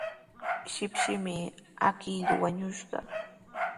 Shipshimi awkilluu wañushqa.